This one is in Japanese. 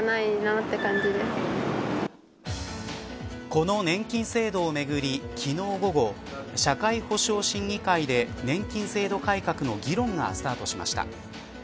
この年金制度をめぐり昨日午後社会保障審議会で年金制度改革の議論がスタートしました。